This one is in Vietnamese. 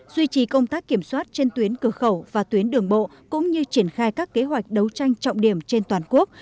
duy trì công tác kiểm soát trên tuyến cửa khẩu và tuyến đường bộ cũng như triển khai các kế hoạch đấu tranh trọng điểm trên toàn quốc